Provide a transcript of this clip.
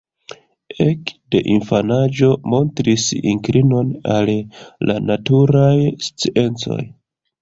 Ek de infanaĝo montris inklinon al la naturaj sciencoj.